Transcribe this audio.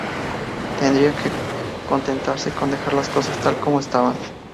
Tendría que contentarse con dejar las cosas tal como estaban